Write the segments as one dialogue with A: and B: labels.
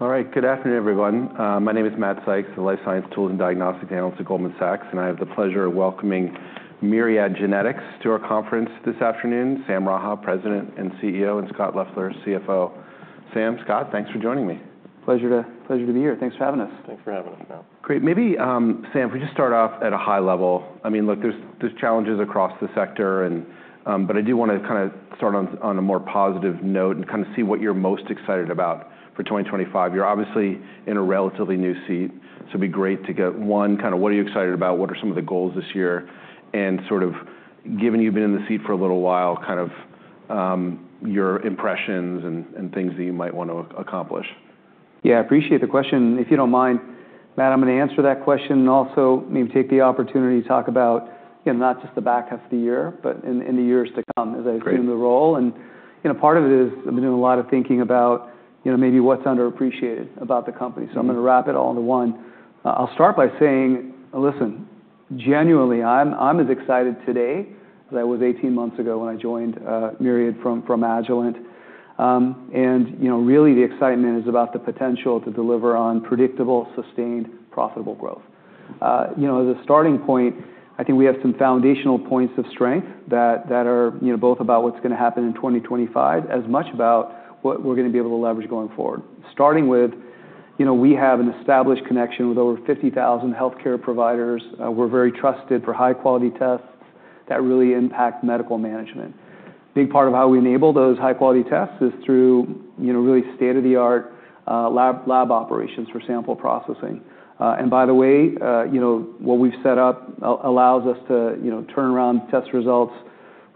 A: All right, good afternoon, everyone. My name is Matt Sykes, the Life Science Tools and Diagnostic Analyst at Goldman Sachs, and I have the pleasure of welcoming Myriad Genetics to our conference this afternoon. Sam Raha, President and CEO, and Scott Leffler, CFO. Sam, Scott, thanks for joining me.
B: Pleasure to be here. Thanks for having us.
C: Thanks for having us, Matt.
A: Great. Maybe, Sam, if we just start off at a high level. I mean, look, there are challenges across the sector, but I do want to kind of start on a more positive note and kind of see what you're most excited about for 2025. You're obviously in a relatively new seat, so it'd be great to get, one, kind of what are you excited about, what are some of the goals this year, and sort of, given you've been in the seat for a little while, kind of your impressions and things that you might want to accomplish.
B: Yeah, I appreciate the question. If you do not mind, Matt, I am going to answer that question and also maybe take the opportunity to talk about not just the back half of the year, but in the years to come as I assume the role. Part of it is I have been doing a lot of thinking about maybe what is underappreciated about the company. I am going to wrap it all into one. I will start by saying, listen, genuinely, I am as excited today as I was 18 months ago when I joined Myriad from Agilent. Really, the excitement is about the potential to deliver on predictable, sustained, profitable growth. As a starting point, I think we have some foundational points of strength that are both about what is going to happen in 2025 as much about what we are going to be able to leverage going forward. Starting with, we have an established connection with over 50,000 healthcare providers. We're very trusted for high-quality tests that really impact medical management. A big part of how we enable those high-quality tests is through really state-of-the-art lab operations for sample processing. By the way, what we've set up allows us to turn around test results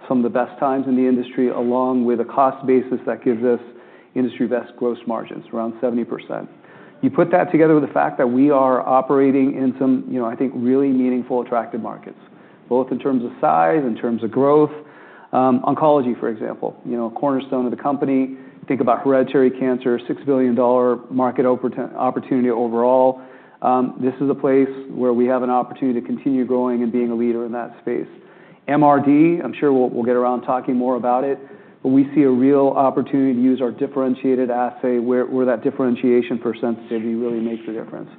B: from the best times in the industry, along with a cost basis that gives us industry-best gross margins, around 70%. You put that together with the fact that we are operating in some, I think, really meaningful, attractive markets, both in terms of size, in terms of growth. Oncology, for example, a cornerstone of the company. Think about hereditary cancer, $6 billion market opportunity overall. This is a place where we have an opportunity to continue growing and being a leader in that space. MRD, I'm sure we'll get around talking more about it, but we see a real opportunity to use our differentiated assay, where that differentiation for sensitivity really makes a difference.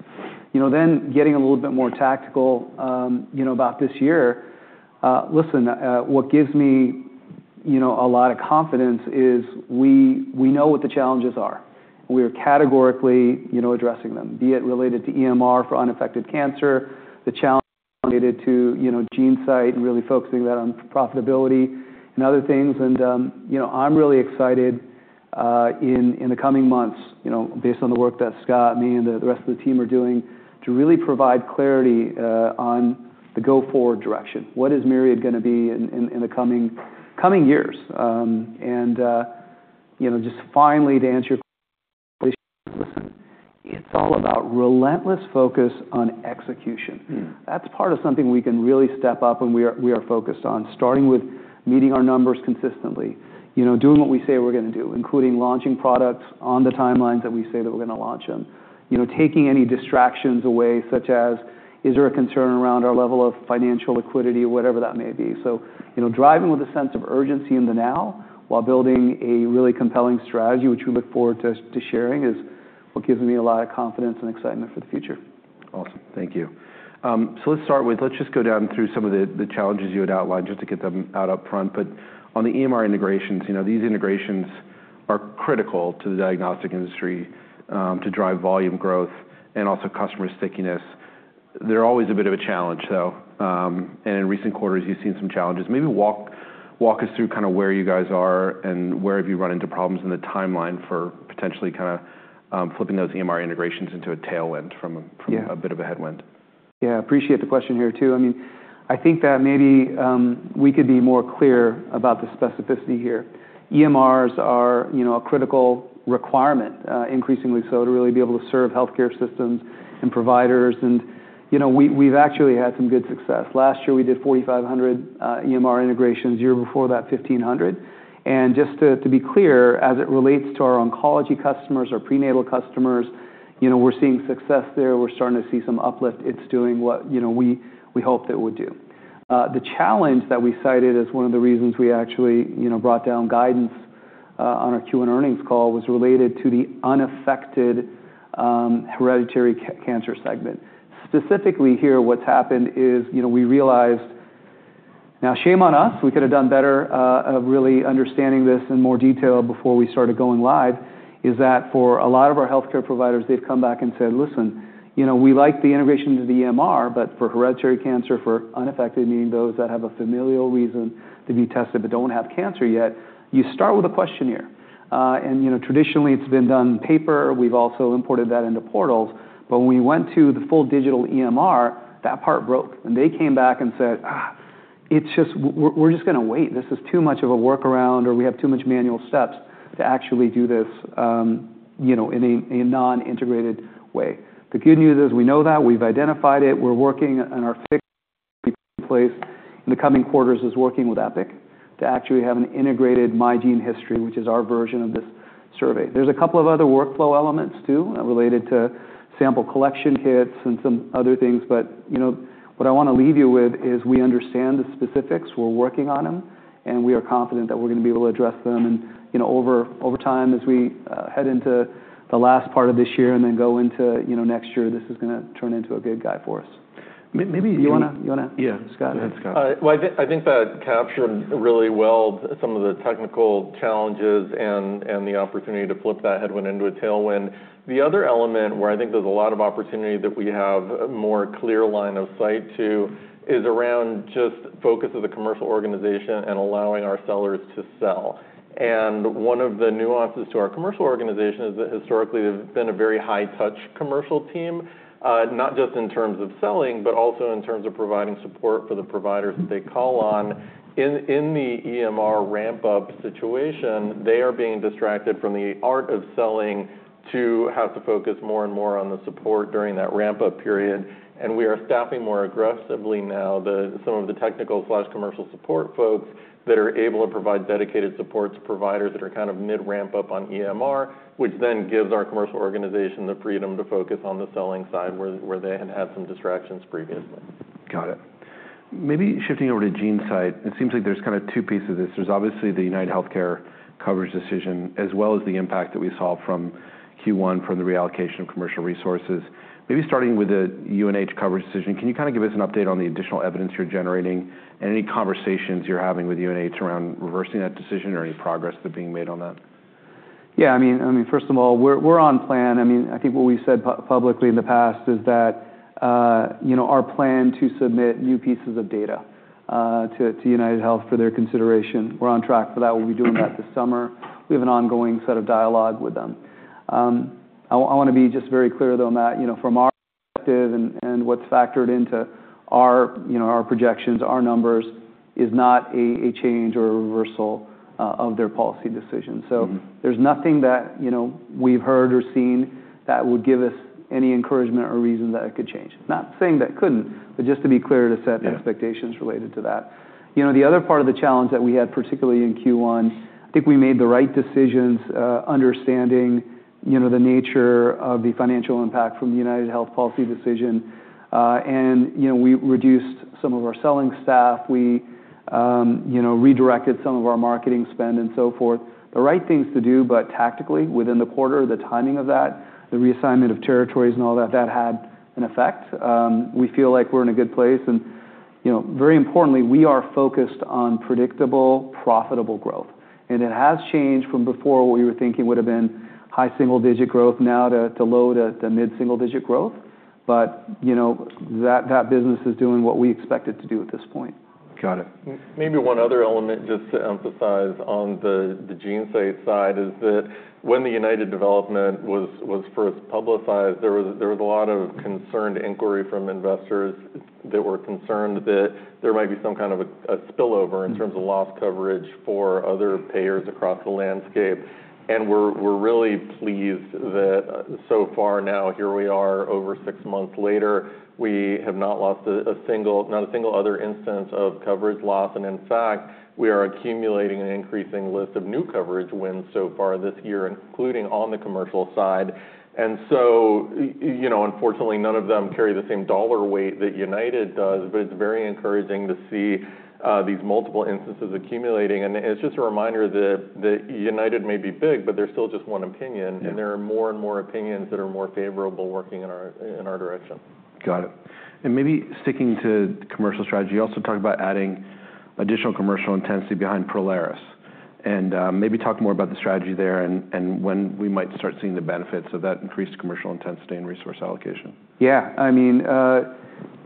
B: Getting a little bit more tactical about this year, listen, what gives me a lot of confidence is we know what the challenges are. We are categorically addressing them, be it related to EMR for unaffected cancer, the challenge related to GeneSight and really focusing that on profitability and other things. I'm really excited in the coming months, based on the work that Scott, me, and the rest of the team are doing, to really provide clarity on the go-forward direction. What is Myriad going to be in the coming years? Finally, to answer your question, listen, it's all about relentless focus on execution. That's part of something we can really step up and we are focused on, starting with meeting our numbers consistently, doing what we say we're going to do, including launching products on the timelines that we say that we're going to launch them, taking any distractions away, such as, is there a concern around our level of financial liquidity, whatever that may be. Driving with a sense of urgency in the now while building a really compelling strategy, which we look forward to sharing, is what gives me a lot of confidence and excitement for the future.
A: Awesome. Thank you. Let's start with, let's just go down through some of the challenges you had outlined just to get them out up front. On the EMR integrations, these integrations are critical to the diagnostic industry to drive volume growth and also customer stickiness. They're always a bit of a challenge, though. In recent quarters, you've seen some challenges. Maybe walk us through kind of where you guys are and where have you run into problems in the timeline for potentially kind of flipping those EMR integrations into a tailwind from a bit of a headwind.
B: Yeah, I appreciate the question here, too. I mean, I think that maybe we could be more clear about the specificity here. EMRs are a critical requirement, increasingly so, to really be able to serve healthcare systems and providers. We've actually had some good success. Last year, we did 4,500 EMR integrations, the year before that, 1,500. Just to be clear, as it relates to our oncology customers, our prenatal customers, we're seeing success there. We're starting to see some uplift. It's doing what we hoped it would do. The challenge that we cited as one of the reasons we actually brought down guidance on our Q&A earnings call was related to the unaffected hereditary cancer segment. Specifically here, what's happened is we realized, now shame on us, we could have done better of really understanding this in more detail before we started going live, is that for a lot of our healthcare providers, they've come back and said, listen, we like the integration to the EMR, but for hereditary cancer, for unaffected, meaning those that have a familial reason to be tested but don't have cancer yet, you start with a questionnaire. Traditionally, it's been done in paper. We've also imported that into portals. When we went to the full digital EMR, that part broke. They came back and said, we're just going to wait. This is too much of a workaround, or we have too much manual steps to actually do this in a non-integrated way. The good news is we know that. We've identified it. We're working on our fixed in place. In the coming quarters, is working with Epic to actually have an integrated MyGeneHistory, which is our version of this survey. There's a couple of other workflow elements, too, related to sample collection kits and some other things. What I want to leave you with is we understand the specifics. We're working on them, and we are confident that we're going to be able to address them. Over time, as we head into the last part of this year and then go into next year, this is going to turn into a good guy for us. Maybe. You want to?
C: Yeah.
B: Scott?
A: Go ahead, Scott.
C: I think that captured really well some of the technical challenges and the opportunity to flip that headwind into a tailwind. The other element where I think there's a lot of opportunity that we have a more clear line of sight to is around just the focus of the commercial organization and allowing our sellers to sell. One of the nuances to our commercial organization is that historically, they've been a very high-touch commercial team, not just in terms of selling, but also in terms of providing support for the providers that they call on. In the EMR ramp-up situation, they are being distracted from the art of selling to have to focus more and more on the support during that ramp-up period. We are staffing more aggressively now some of the technical/commercial support folks that are able to provide dedicated support to providers that are kind of mid-ramp-up on EMR, which then gives our commercial organization the freedom to focus on the selling side where they had had some distractions previously.
A: Got it. Maybe shifting over to GeneSight, it seems like there's kind of two pieces of this. There's obviously the UnitedHealthcare coverage decision, as well as the impact that we saw from Q1 from the reallocation of commercial resources. Maybe starting with the UnitedHealthcare coverage decision, can you kind of give us an update on the additional evidence you're generating and any conversations you're having with UnitedHealthcare around reversing that decision or any progress that's being made on that?
B: Yeah, I mean, first of all, we're on plan. I mean, I think what we've said publicly in the past is that our plan to submit new pieces of data to UnitedHealthcare for their consideration, we're on track for that. We'll be doing that this summer. We have an ongoing set of dialogue with them. I want to be just very clear, though, Matt, from our perspective and what's factored into our projections, our numbers, is not a change or a reversal of their policy decision. So there's nothing that we've heard or seen that would give us any encouragement or reason that it could change. Not saying that it couldn't, but just to be clear to set expectations related to that. The other part of the challenge that we had, particularly in Q1, I think we made the right decisions understanding the nature of the financial impact from the UnitedHealthcare policy decision. We reduced some of our selling staff. We redirected some of our marketing spend and so forth. The right things to do, but tactically, within the quarter, the timing of that, the reassignment of territories and all that, that had an effect. We feel like we're in a good place. Very importantly, we are focused on predictable, profitable growth. It has changed from before what we were thinking would have been high single-digit growth now to low to mid-single-digit growth. That business is doing what we expect it to do at this point.
A: Got it.
C: Maybe one other element just to emphasize on the GeneSight side is that when the UnitedHealthcare development was first publicized, there was a lot of concerned inquiry from investors that were concerned that there might be some kind of a spillover in terms of loss coverage for other payers across the landscape. We are really pleased that so far now, here we are, over six months later, we have not lost a single, not a single other instance of coverage loss. In fact, we are accumulating an increasing list of new coverage wins so far this year, including on the commercial side. Unfortunately, none of them carry the same dollar weight that UnitedHealthcare does, but it is very encouraging to see these multiple instances accumulating. It is just a reminder that UnitedHealthcare may be big, but they are still just one opinion. There are more and more opinions that are more favorable working in our direction.
A: Got it. Maybe sticking to commercial strategy, you also talked about adding additional commercial intensity behind Prolaris. Maybe talk more about the strategy there and when we might start seeing the benefits of that increased commercial intensity and resource allocation.
B: Yeah. I mean,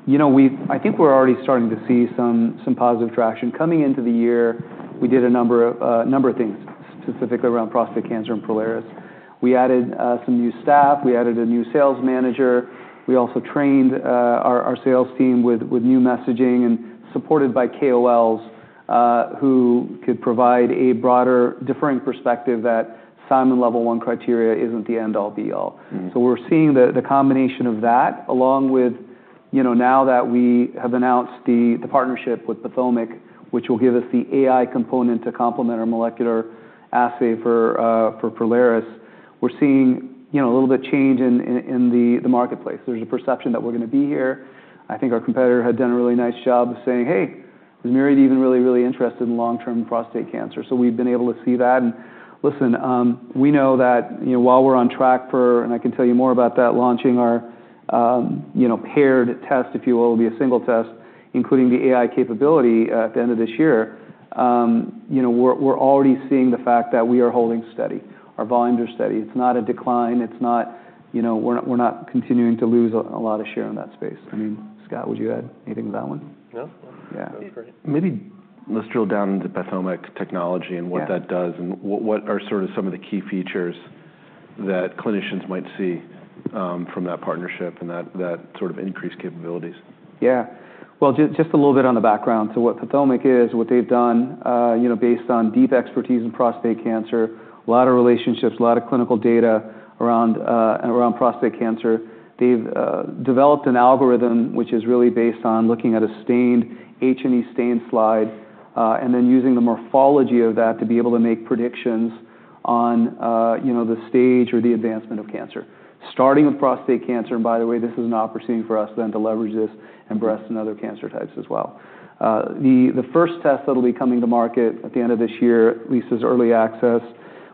B: I think we're already starting to see some positive traction. Coming into the year, we did a number of things, specifically around prostate cancer and Prolaris. We added some new staff. We added a new sales manager. We also trained our sales team with new messaging and supported by KOLs who could provide a broader, different perspective that Simon Level 1 criteria isn't the end-all, be-all. We're seeing the combination of that, along with now that we have announced the partnership with PATHOMIQ, which will give us the AI component to complement our molecular assay for Prolaris, we're seeing a little bit of change in the marketplace. There's a perception that we're going to be here. I think our competitor had done a really nice job of saying, hey, is Myriad even really, really interested in long-term prostate cancer? We've been able to see that. Listen, we know that while we're on track for, and I can tell you more about that, launching our paired test, if you will, it'll be a single test, including the AI capability at the end of this year. We're already seeing the fact that we are holding steady. Our volumes are steady. It's not a decline. We're not continuing to lose a lot of share in that space. I mean, Scott, would you add anything to that one?
C: No. That was great.
A: Maybe let's drill down into PATHOMIQ technology and what that does and what are sort of some of the key features that clinicians might see from that partnership and that sort of increased capabilities.
B: Yeah. Just a little bit on the background. What PATHOMIQ is, what they've done, based on deep expertise in prostate cancer, a lot of relationships, a lot of clinical data around prostate cancer, they've developed an algorithm, which is really based on looking at a H&E stain slide and then using the morphology of that to be able to make predictions on the stage or the advancement of cancer, starting with prostate cancer. By the way, this is an opportunity for us then to leverage this in breast and other cancer types as well. The first test that'll be coming to market at the end of this year, at least as early access,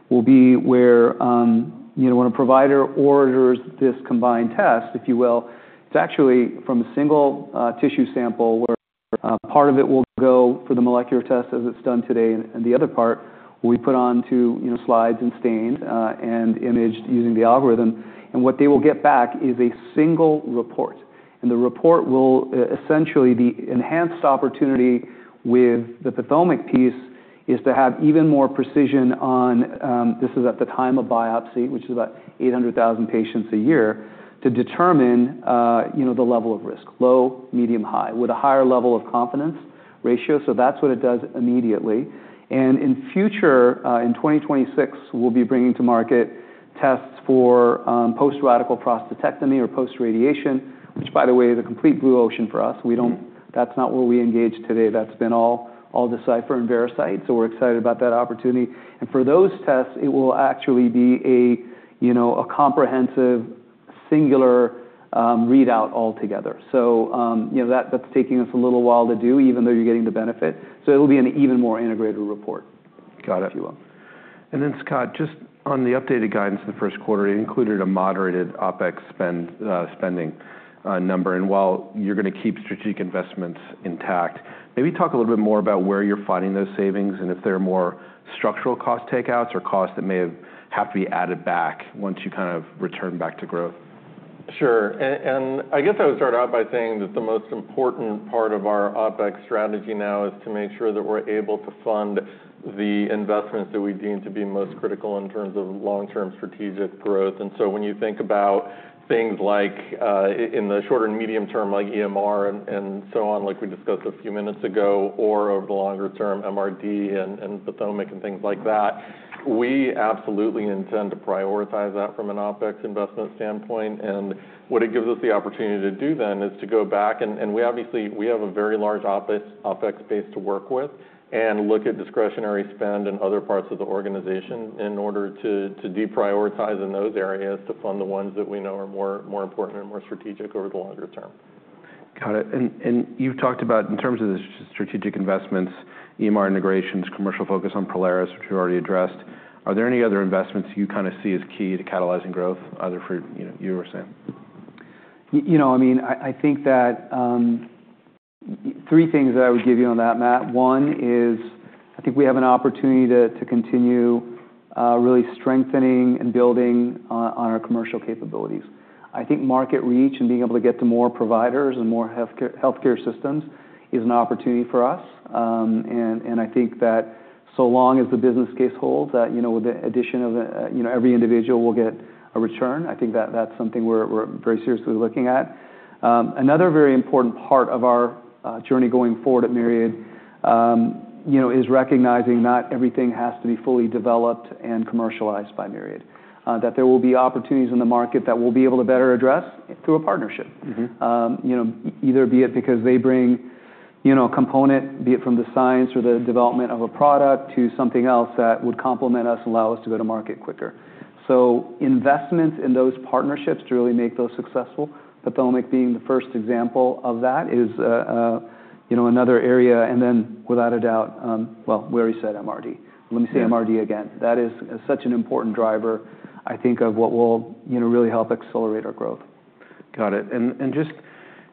B: will be where when a provider orders this combined test, if you will, it's actually from a single tissue sample where part of it will go for the molecular test as it's done today. The other part will be put onto slides and stained and imaged using the algorithm. What they will get back is a single report. The report will essentially be enhanced. The opportunity with the PATHOMIQ piece is to have even more precision on, this is at the time of biopsy, which is about 800,000 patients a year, to determine the level of risk, low, medium, high, with a higher level of confidence ratio. That is what it does immediately. In future, in 2026, we will be bringing to market tests for post-radical prostatectomy or post-radiation, which, by the way, is a complete blue ocean for us. That is not where we engage today. That has been all Decipher and VeraSight. We are excited about that opportunity. For those tests, it will actually be a comprehensive singular readout altogether. That's taking us a little while to do, even though you're getting the benefit. It'll be an even more integrated report, if you will.
A: Got it. Scott, just on the updated guidance in the first quarter, it included a moderated OpEx spending number. While you're going to keep strategic investments intact, maybe talk a little bit more about where you're finding those savings and if there are more structural cost takeouts or costs that may have to be added back once you kind of return back to growth.
C: Sure. I guess I would start out by saying that the most important part of our OpEx strategy now is to make sure that we're able to fund the investments that we deem to be most critical in terms of long-term strategic growth. When you think about things like in the short and medium term, like EMR and so on, like we discussed a few minutes ago, or over the longer term, MRD and PATHOMIQ and things like that, we absolutely intend to prioritize that from an OpEx investment standpoint. What it gives us the opportunity to do then is to go back. We obviously have a very large OpEx base to work with and look at discretionary spend in other parts of the organization in order to deprioritize in those areas to fund the ones that we know are more important and more strategic over the longer term.
A: Got it. You have talked about in terms of the strategic investments, EMR integrations, commercial focus on Prolaris, which you already addressed. Are there any other investments you kind of see as key to catalyzing growth, either for you or Sam?
B: I mean, I think that three things that I would give you on that, Matt. One is I think we have an opportunity to continue really strengthening and building on our commercial capabilities. I think market reach and being able to get to more providers and more healthcare systems is an opportunity for us. I think that so long as the business case holds, that with the addition of every individual, we'll get a return. I think that that's something we're very seriously looking at. Another very important part of our journey going forward at Myriad is recognizing not everything has to be fully developed and commercialized by Myriad, that there will be opportunities in the market that we'll be able to better address through a partnership, either be it because they bring a component, be it from the science or the development of a product to something else that would complement us and allow us to go to market quicker. Investments in those partnerships to really make those successful, PATHOMIQ being the first example of that, is another area. Without a doubt, where you said MRD. Let me say MRD again. That is such an important driver, I think, of what will really help accelerate our growth.
A: Got it. And just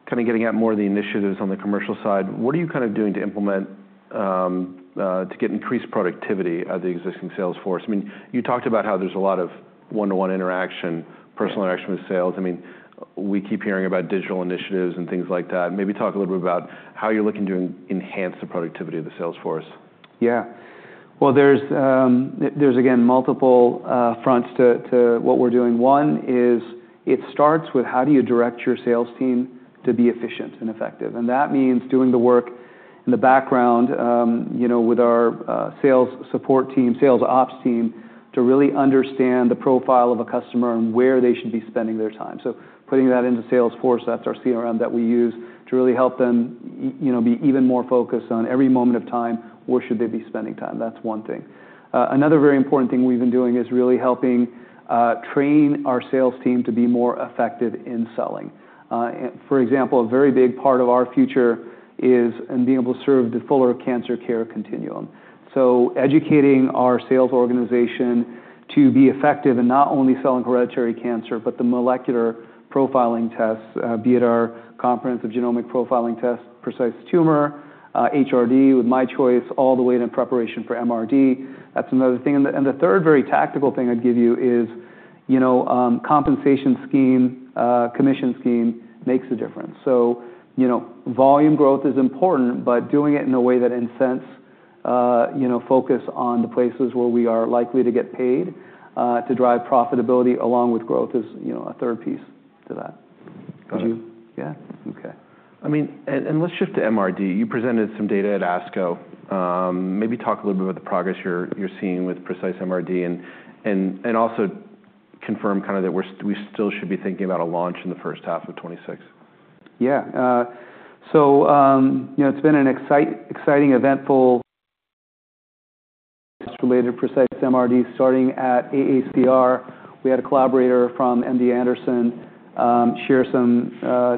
A: kind of getting at more of the initiatives on the commercial side, what are you kind of doing to implement to get increased productivity at the existing sales force? I mean, you talked about how there's a lot of one-to-one interaction, personal interaction with sales. I mean, we keep hearing about digital initiatives and things like that. Maybe talk a little bit about how you're looking to enhance the productivity of the sales force.
B: Yeah. There is, again, multiple fronts to what we're doing. One is it starts with how do you direct your sales team to be efficient and effective. That means doing the work in the background with our sales support team, sales ops team, to really understand the profile of a customer and where they should be spending their time. Putting that into Salesforce, that's our CRM that we use to really help them be even more focused on every moment of time, where should they be spending time. That's one thing. Another very important thing we've been doing is really helping train our sales team to be more effective in selling. For example, a very big part of our future is in being able to serve the fuller cancer care continuum. Educating our sales organization to be effective in not only selling hereditary cancer, but the molecular profiling tests, be it our comprehensive genomic profiling test, Precise Tumor, HRD with MyChoice, all the way to preparation for MRD. That is another thing. The third very tactical thing I would give you is compensation scheme, commission scheme makes a difference. Volume growth is important, but doing it in a way that incents focus on the places where we are likely to get paid to drive profitability along with growth is a third piece to that.
A: Got it.
B: Yeah.
A: Okay. I mean, and let's shift to MRD. You presented some data at ASCO. Maybe talk a little bit about the progress you're seeing with Precise MRD and also confirm kind of that we still should be thinking about a launch in the first half of 2026.
B: Yeah. It has been an exciting, eventful period related to Precise MRD starting at AACR. We had a collaborator from MD Anderson share some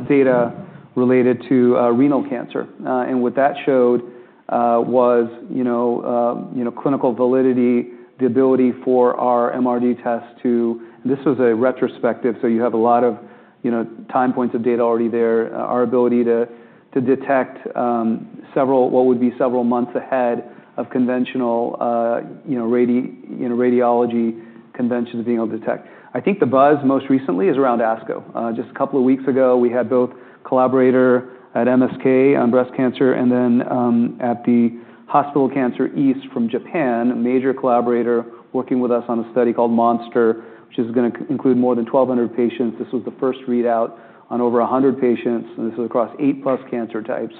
B: data related to renal cancer. What that showed was clinical validity, the ability for our MRD test to, and this was a retrospective, so you have a lot of time points of data already there, our ability to detect what would be several months ahead of conventional radiology conventions being able to detect. I think the buzz most recently is around ASCO. Just a couple of weeks ago, we had both a collaborator at MSK on breast cancer and then at the National Cancer Center Hospital East from Japan, a major collaborator working with us on a study called Monster, which is going to include more than 1,200 patients. This was the first readout on over 100 patients. This was across eight plus cancer types.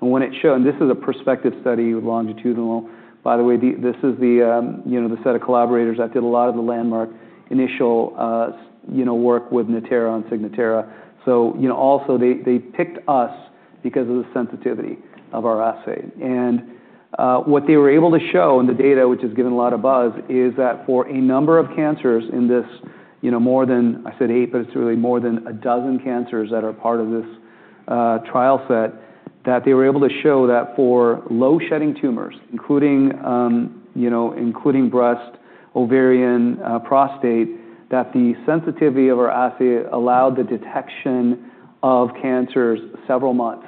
B: When it showed, and this is a prospective study with longitudinal, by the way, this is the set of collaborators that did a lot of the landmark initial work with Natera and Signatera. Also, they picked us because of the sensitivity of our assay. What they were able to show in the data, which has given a lot of buzz, is that for a number of cancers in this more than, I said eight, but it's really more than a dozen cancers that are part of this trial set, they were able to show that for low-shedding tumors, including breast, ovarian, prostate, the sensitivity of our assay allowed the detection of cancers several months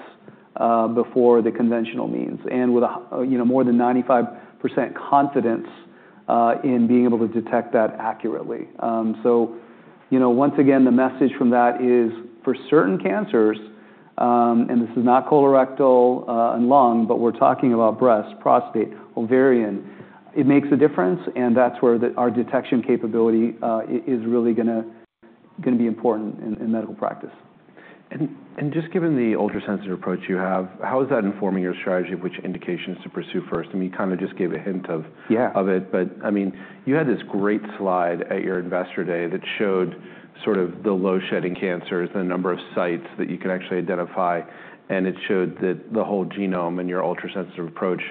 B: before the conventional means and with more than 95% confidence in being able to detect that accurately. Once again, the message from that is for certain cancers, and this is not colorectal and lung, but we're talking about breast, prostate, ovarian, it makes a difference. That's where our detection capability is really going to be important in medical practice.
A: Just given the ultra-sensitive approach you have, how is that informing your strategy of which indications to pursue first? I mean, you kind of just gave a hint of it, but I mean, you had this great slide at your investor day that showed sort of the low-shedding cancers and the number of sites that you could actually identify. It showed that the whole genome and your ultra-sensitive approach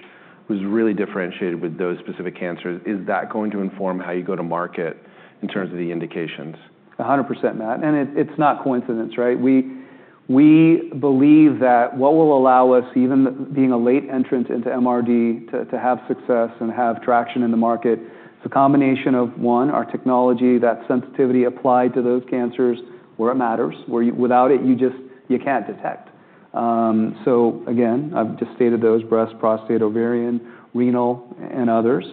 A: was really differentiated with those specific cancers. Is that going to inform how you go to market in terms of the indications?
B: 100%, Matt. It is not coincidence, right? We believe that what will allow us, even being a late entrant into MRD, to have success and have traction in the market, is a combination of, one, our technology, that sensitivity applied to those cancers where it matters. Without it, you cannot detect. Again, I have just stated those: breast, prostate, ovarian, renal, and others.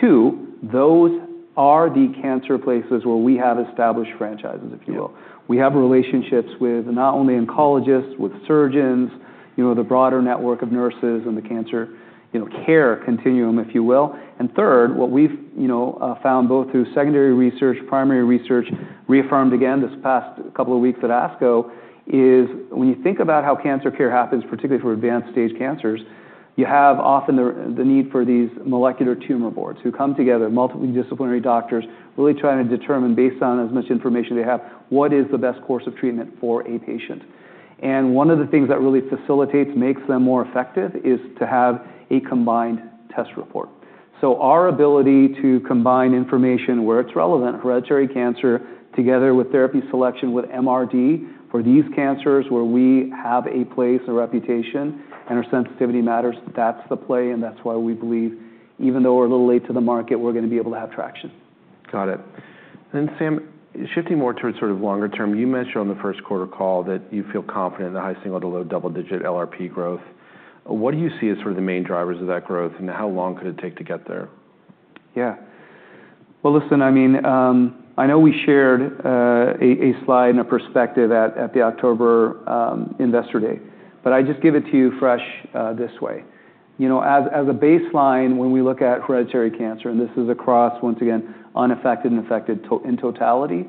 B: Two, those are the cancer places where we have established franchises, if you will. We have relationships with not only oncologists, with surgeons, the broader network of nurses and the cancer care continuum, if you will. What we've found both through secondary research, primary research, reaffirmed again this past couple of weeks at ASCO is when you think about how cancer care happens, particularly for advanced stage cancers, you have often the need for these molecular tumor boards who come together, multidisciplinary doctors really trying to determine based on as much information they have, what is the best course of treatment for a patient. One of the things that really facilitates, makes them more effective is to have a combined test report. Our ability to combine information where it's relevant, hereditary cancer, together with therapy selection with MRD for these cancers where we have a place, a reputation, and our sensitivity matters, that's the play. That's why we believe even though we're a little late to the market, we're going to be able to have traction.
A: Got it. Sam, shifting more towards sort of longer term, you mentioned on the first quarter call that you feel confident in the high single to low double-digit LRP growth. What do you see as sort of the main drivers of that growth and how long could it take to get there?
B: Yeah. Listen, I mean, I know we shared a slide and a perspective at the October investor day, but I just give it to you fresh this way. As a baseline, when we look at hereditary cancer, and this is across, once again, unaffected and affected in totality,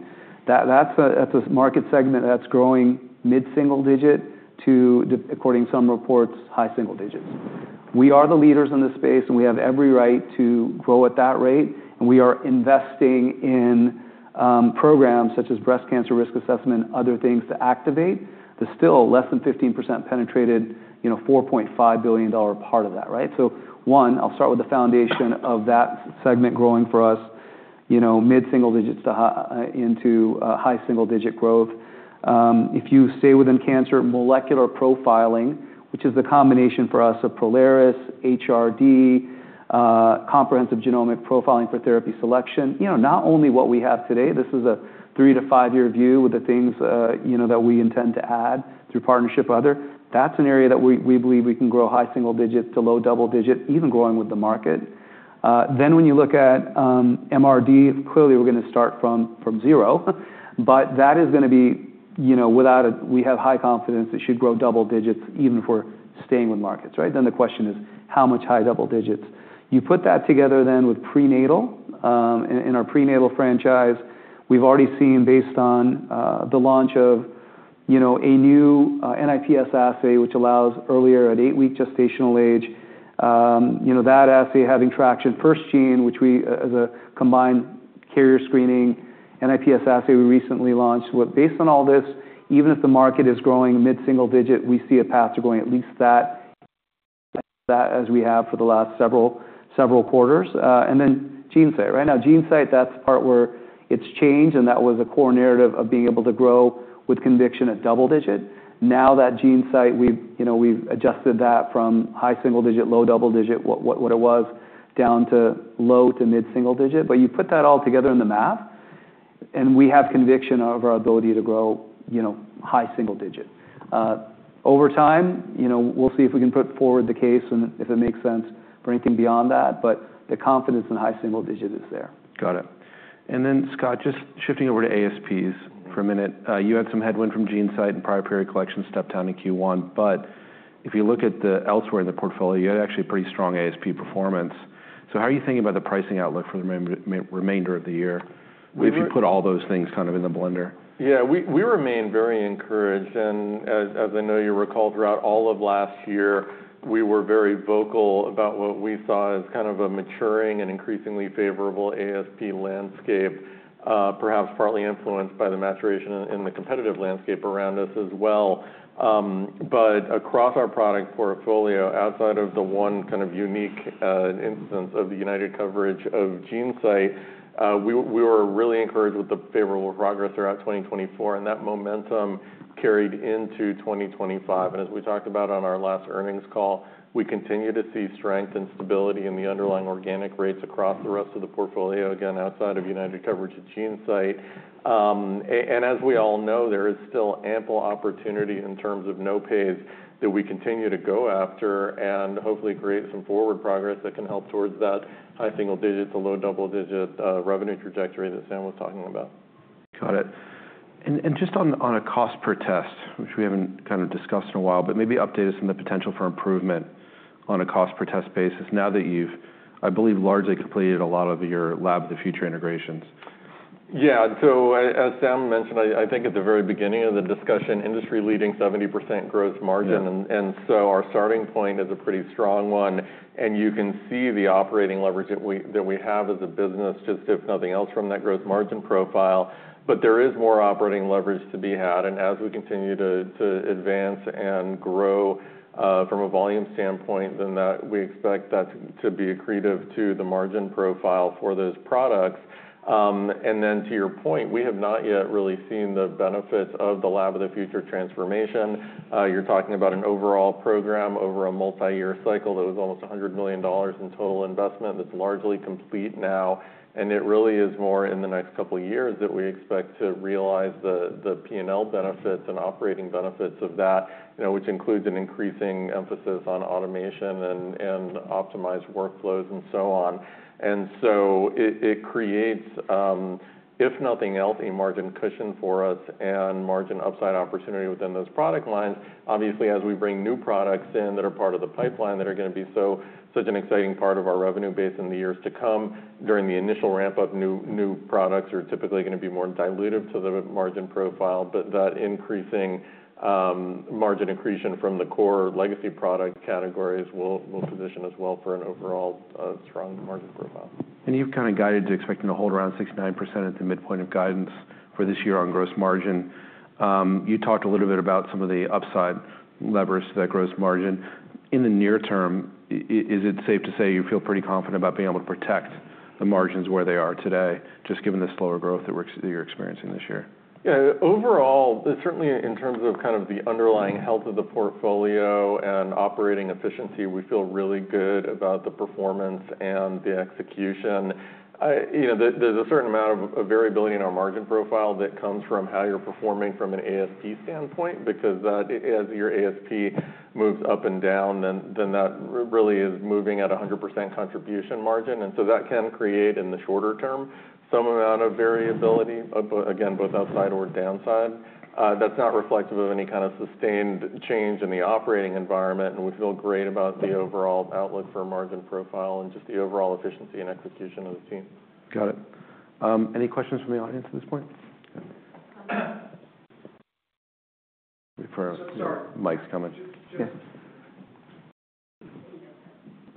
B: that's a market segment that's growing mid-single digit to, according to some reports, high single digits. We are the leaders in this space and we have every right to grow at that rate. We are investing in programs such as breast cancer risk assessment, other things to activate the still less than 15% penetrated $4.5 billion part of that, right? One, I'll start with the foundation of that segment growing for us mid-single digits to high single digit growth. If you stay within cancer, molecular profiling, which is the combination for us of Prolaris, HRD, comprehensive genomic profiling for therapy selection, not only what we have today, this is a three- to five-year view with the things that we intend to add through partnership other. That is an area that we believe we can grow high single digit to low double digit, even growing with the market. When you look at MRD, clearly we are going to start from zero, but that is going to be without a, we have high confidence it should grow double digits even for staying with markets, right? The question is how much high double digits. You put that together then with prenatal. In our prenatal franchise, we've already seen based on the launch of a new NIPS assay, which allows earlier at eight-week gestational age, that assay having traction, FirstGene, which we as a combined carrier screening NIPS assay we recently launched. Based on all this, even if the market is growing mid-single digit, we see a path to going at least that as we have for the last several quarters. Now GeneSight, right? Now GeneSight, that's the part where it's changed and that was a core narrative of being able to grow with conviction at double digit. Now that GeneSight, we've adjusted that from high single digit, low double digit, what it was down to low to mid-single digit. You put that all together in the math and we have conviction of our ability to grow high single digit. Over time, we'll see if we can put forward the case and if it makes sense for anything beyond that, but the confidence in high single digit is there.
A: Got it. And then Scott, just shifting over to ASPs for a minute. You had some headwind from GeneSight and prior period collection stepped down in Q1, but if you look at the elsewhere in the portfolio, you had actually pretty strong ASP performance. How are you thinking about the pricing outlook for the remainder of the year if you put all those things kind of in the blender?
C: Yeah. We remain very encouraged. As I know you recall, throughout all of last year, we were very vocal about what we saw as kind of a maturing and increasingly favorable ASP landscape, perhaps partly influenced by the maturation in the competitive landscape around us as well. Across our product portfolio, outside of the one kind of unique instance of the UnitedHealthcare coverage of GeneSight, we were really encouraged with the favorable progress throughout 2024. That momentum carried into 2025. As we talked about on our last earnings call, we continue to see strength and stability in the underlying organic rates across the rest of the portfolio, again, outside of UnitedHealthcare coverage of GeneSight. There is still ample opportunity in terms of no pays that we continue to go after and hopefully create some forward progress that can help towards that high single digit to low double digit revenue trajectory that Sam was talking about.
A: Got it. Just on a cost per test, which we have not kind of discussed in a while, but maybe update us on the potential for improvement on a cost per test basis now that you have, I believe, largely completed a lot of your lab of the future integrations.
C: Yeah. As Sam mentioned, I think at the very beginning of the discussion, industry leading 70% growth margin. Our starting point is a pretty strong one. You can see the operating leverage that we have as a business, just if nothing else, from that growth margin profile. There is more operating leverage to be had. As we continue to advance and grow from a volume standpoint, we expect that to be accretive to the margin profile for those products. To your point, we have not yet really seen the benefits of the lab of the future transformation. You're talking about an overall program over a multi-year cycle that was almost $100 million in total investment that's largely complete now. It really is more in the next couple of years that we expect to realize the P&L benefits and operating benefits of that, which includes an increasing emphasis on automation and optimized workflows and so on. It creates, if nothing else, a margin cushion for us and margin upside opportunity within those product lines. Obviously, as we bring new products in that are part of the pipeline that are going to be such an exciting part of our revenue base in the years to come, during the initial ramp up, new products are typically going to be more dilutive to the margin profile. That increasing margin accretion from the core legacy product categories will position us well for an overall strong margin profile.
A: You've kind of guided to expecting to hold around 69% at the midpoint of guidance for this year on gross margin. You talked a little bit about some of the upside leverage to that gross margin. In the near term, is it safe to say you feel pretty confident about being able to protect the margins where they are today, just given the slower growth that you're experiencing this year?
C: Yeah. Overall, certainly in terms of kind of the underlying health of the portfolio and operating efficiency, we feel really good about the performance and the execution. There is a certain amount of variability in our margin profile that comes from how you are performing from an ASP standpoint because as your ASP moves up and down, then that really is moving at a 100% contribution margin. That can create in the shorter term some amount of variability, again, both upside or downside. That is not reflective of any kind of sustained change in the operating environment. We feel great about the overall outlook for margin profile and just the overall efficiency and execution of the team.
A: Got it. Any questions from the audience at this point? Sure. Mic's coming.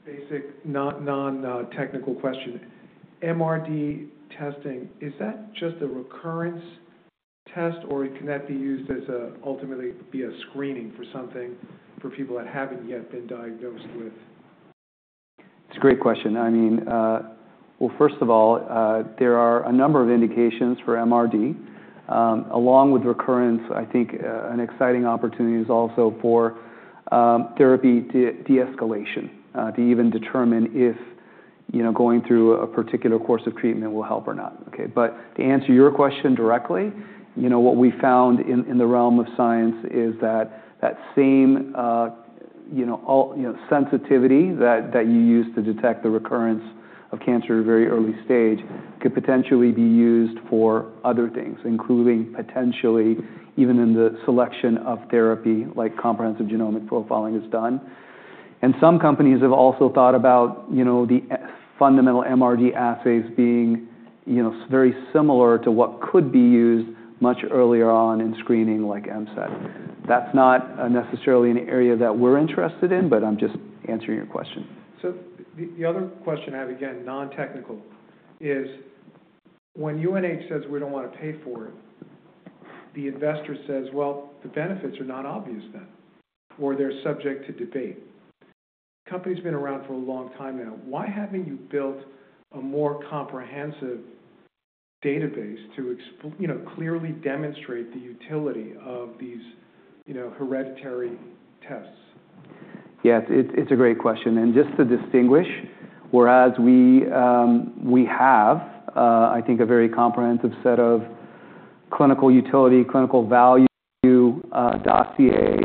A: Basic, non-technical question. MRD testing, is that just a recurrence test or can that be used as ultimately be a screening for something for people that haven't yet been diagnosed with?
B: It's a great question. I mean, first of all, there are a number of indications for MRD. Along with recurrence, I think an exciting opportunity is also for therapy de-escalation to even determine if going through a particular course of treatment will help or not, okay? To answer your question directly, what we found in the realm of science is that that same sensitivity that you use to detect the recurrence of cancer at a very early stage could potentially be used for other things, including potentially even in the selection of therapy like comprehensive genomic profiling is done. Some companies have also thought about the fundamental MRD assays being very similar to what could be used much earlier on in screening like MSET. That's not necessarily an area that we're interested in, but I'm just answering your question. The other question I have, again, non-technical, is when UnitedHealthcare says we do not want to pay for it, the investor says, the benefits are not obvious then or they are subject to debate. The company's been around for a long time now. Why have you not built a more comprehensive database to clearly demonstrate the utility of these hereditary tests? Yeah, it's a great question. Just to distinguish, whereas we have, I think, a very comprehensive set of clinical utility, clinical value, dossier,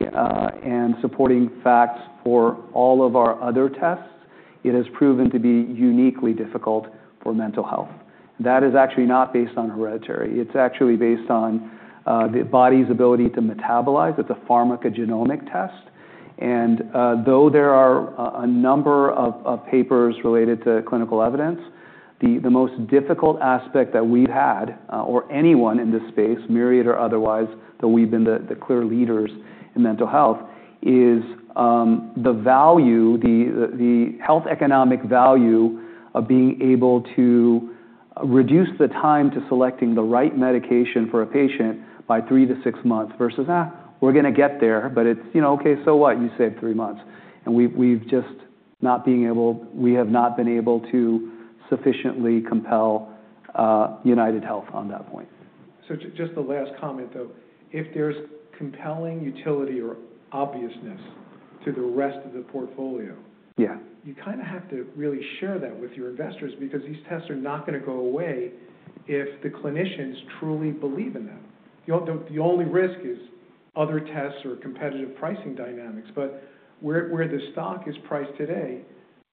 B: and supporting facts for all of our other tests, it has proven to be uniquely difficult for mental health. That is actually not based on hereditary. It's actually based on the body's ability to metabolize. It's a pharmacogenomic test. And though there are a number of papers related to clinical evidence, the most difficult aspect that we've had or anyone in this space, Myriad or otherwise, that we've been the clear leaders in mental health is the value, the health economic value of being able to reduce the time to selecting the right medication for a patient by three to six months versus, we're going to get there, but it's, okay, so what? You saved three months. We've just not been able to sufficiently compel UnitedHealthcare on that point. Just the last comment though, if there's compelling utility or obviousness to the rest of the portfolio, you kind of have to really share that with your investors because these tests are not going to go away if the clinicians truly believe in them. The only risk is other tests or competitive pricing dynamics, but where the stock is priced today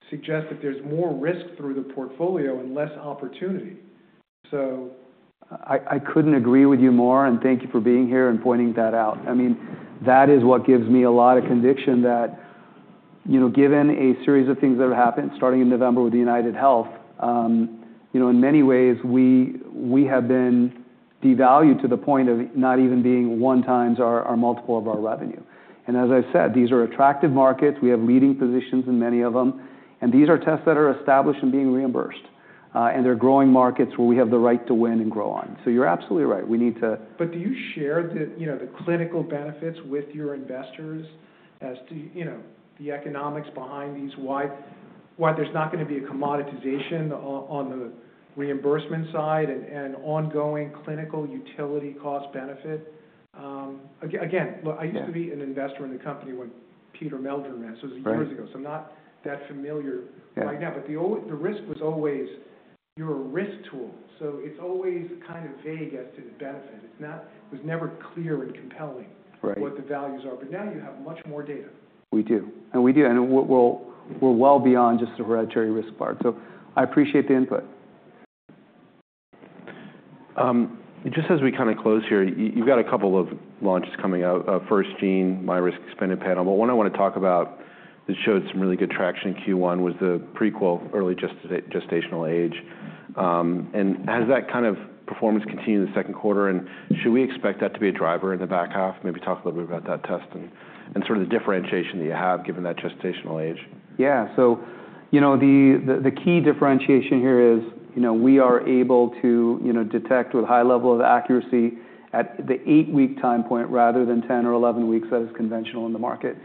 B: suggests that there's more risk through the portfolio and less opportunity. I couldn't agree with you more and thank you for being here and pointing that out. I mean, that is what gives me a lot of conviction that given a series of things that have happened starting in November with UnitedHealthcare, in many ways, we have been devalued to the point of not even being one times or multiple of our revenue. As I said, these are attractive markets. We have leading positions in many of them. These are tests that are established and being reimbursed. They are growing markets where we have the right to win and grow on. You're absolutely right. We need to. Do you share the clinical benefits with your investors as to the economics behind these, why there's not going to be a commoditization on the reimbursement side and ongoing clinical utility cost benefit? Again, I used to be an investor in the company when Peter Meldrum ran, so this is years ago. I'm not that familiar right now. The risk was always you're a risk tool. It's always kind of vague as to the benefit. It was never clear and compelling what the values are. Now you have much more data. We do. We are well beyond just the hereditary risk part. I appreciate the input.
A: Just as we kind of close here, you've got a couple of launches coming out. FirstGene, myRisk, expanded panel. One I want to talk about that showed some really good traction in Q1 was the Prequel, early gestational age. Has that kind of performance continued in the second quarter? Should we expect that to be a driver in the back half? Maybe talk a little bit about that test and sort of the differentiation that you have given that gestational age.
B: Yeah. The key differentiation here is we are able to detect with high level of accuracy at the eight-week time point rather than 10 or 11 weeks as conventional in the market.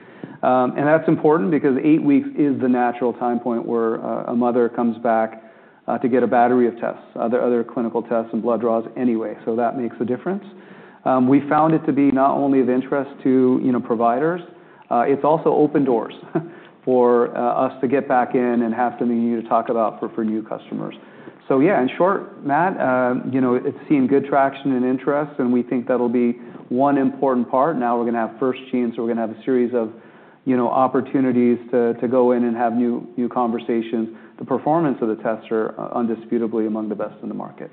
B: That is important because eight weeks is the natural time point where a mother comes back to get a battery of tests, other clinical tests and blood draws anyway. That makes a difference. We found it to be not only of interest to providers, it has also opened doors for us to get back in and have something unique to talk about for new customers. Yeah, in short, Matt, it has seen good traction and interest. We think that will be one important part. Now we are going to have FirstGene, so we are going to have a series of opportunities to go in and have new conversations. The performance of the tests are undisputably among the best in the market.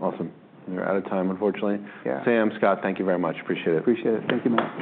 A: Awesome. We're out of time, unfortunately. Sam, Scott, thank you very much. Appreciate it.
B: Appreciate it. Thank you, Matt.